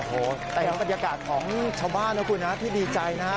โอ้โหแต่ยังบรรยากาศของชาวบ้านนะคุณนะที่ดีใจนะฮะ